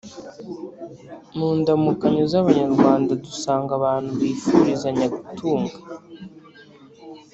mu ndamukanyo z’abanyarwanda dusanga abantu bifurizanya gutunga